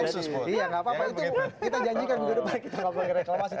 itu kita janjikan di depan kita ngomongin reklamasi